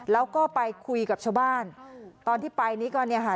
แล้วก็ไปคุยกับชาวบ้านตอนที่ไปนี่ก็เนี่ยค่ะ